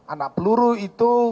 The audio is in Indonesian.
anak peluru itu